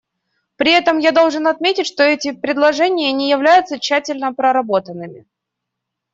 При этом я должен отметить, что эти предложения не являются тщательно проработанными.